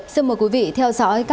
xin mời quý vị theo dõi